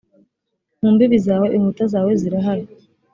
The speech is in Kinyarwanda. mu mbibi zawe inkuta zawe zirahari